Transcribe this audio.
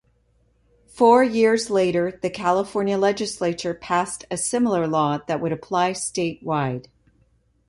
Four years later, the California legislature passed a similar law that would apply statewide.